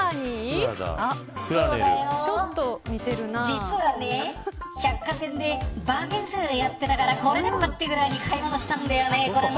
実はね、百貨店でバーゲンセールやってたからこれでもかってくらいに買い物したんだよね。